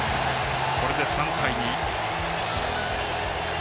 これで３対２。